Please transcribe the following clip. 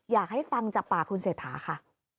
อยากให้ฟังจากปากคุณเศรษฐาค่ะ